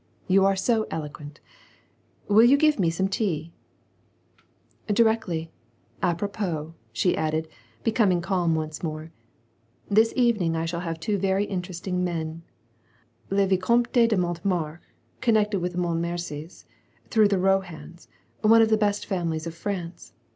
You are so eloquent ! Will you give me some tea ?" "Directly. A propos,^^ she added, becoming calm once more, "this evening I shall have two very interesting men : le Vicomte de Montemart, connected with the Montmorencys through the Kohans, one of the best families of France.